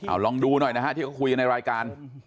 เอาลองดูหน่อยนะฮะที่เขาคุยกันในรายการ